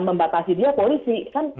membatasi dia polisi kan